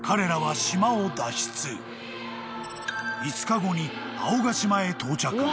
［５日後に青ヶ島へ到着］